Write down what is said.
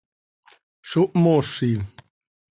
¡Zo mhoozi!